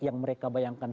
yang mereka bayangkan